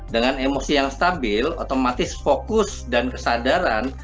dengan emosi yang stabil otomatis fokus dan kesadaran